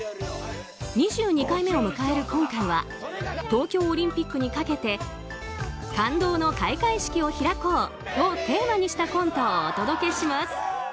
２２回目を迎える今回は東京オリンピックにかけて「感動の開会式をひらこう！」をテーマにしたコントをお届けします。